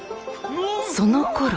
そのころ。